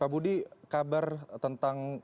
pak budi kabar tentang